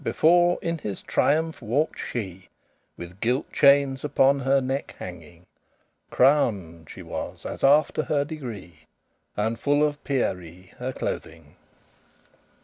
Before in his triumphe walked she With gilte chains upon her neck hanging; Crowned she was, as after* her degree, *according to And full of pierrie her clothing.